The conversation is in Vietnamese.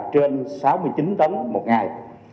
trên sáu mươi chín tấn một ngày